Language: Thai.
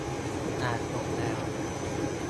อ่านจบแล้ว !